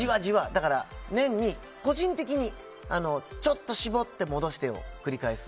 だから、年に個人的にちょっと絞って戻してを繰り返す。